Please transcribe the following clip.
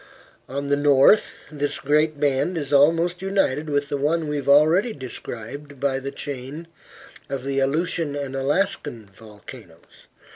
On the north this great band is almost united with the one we have already described by the chain of the Aleutian and Alaska volcanoes.